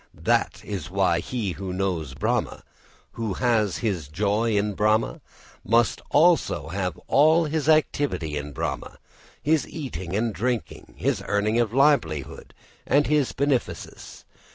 That is why he who knows Brahma, who has his joy in Brahma, must also have all his activity in Brahma his eating and drinking, his earning of livelihood and his beneficence.